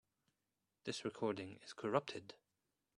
This recording is corrupted.